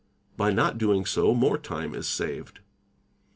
sl By not doing so more time is saved.